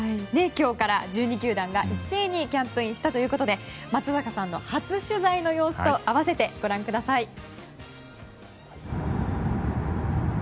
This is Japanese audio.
今日から１２球団が一斉にキャンプインしたということで松坂さんの初取材の様子と併せてご覧ください。